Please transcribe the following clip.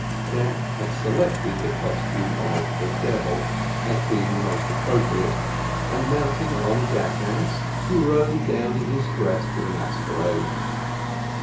Jack had selected the costume of the devil, as being the most appropriate, and mounting a jackass, he rode down in his dress to the masquerade.